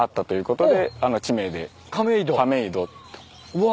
うわ。